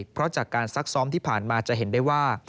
เพราะจากการซักซ้อมที่ผ่านมาจะเห็นได้ว่า